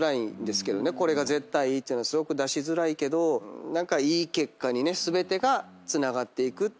これが絶対っていうのはすごく出しづらいけど何かいい結果にね全てがつながっていくっていう。